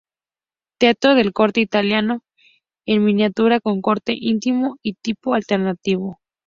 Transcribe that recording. Teatro de corte italiano en miniatura, con corte íntimo y tipo alternativo.